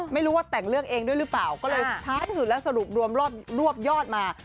ไม่รู้ว่าแต่งเรื่องเองด้วยหรือเปล่าก็เลยท้ายสุดแล้วสรุปรวมรวบยอดมา